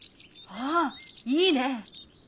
ああいいね！